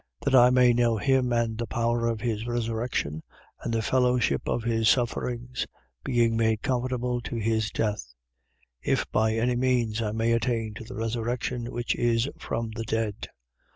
3:10. That I may know him and the power of his resurrection and the fellowship of his sufferings: being made conformable to his death, 3:11. If by any means I may attain to the resurrection which is from the dead.